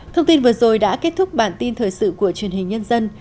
thông tin vừa rồi đã kết thúc bản tin thời sự của truyền hình nhân dân